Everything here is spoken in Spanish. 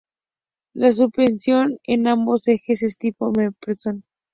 La suspensión en ambos ejes es tipo McPherson.